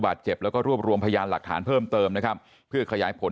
เจ็บแล้วก็รวบรวมพยานหลักฐานเพิ่มเติมนะครับเพื่อขยายผล